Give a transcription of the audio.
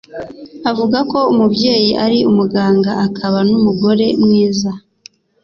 Avuga ko umubyeyi ari umuganga akaba n'umugore mwiza.